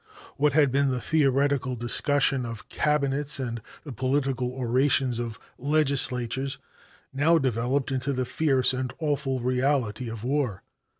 What had been the theoretical discussions of cabinets and the political orations of legislators now developed into the fierce and awful reality of war.